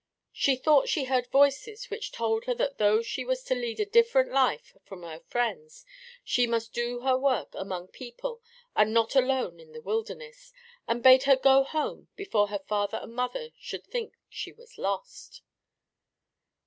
She thought she heard voices which told her that though she was to lead a different life from her friends she must do her work among people and not alone in the wilderness, and bade her go home before her father and mother should think she was lost.